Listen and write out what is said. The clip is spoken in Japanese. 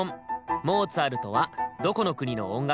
モーツァルトはどこの国の音楽家だ？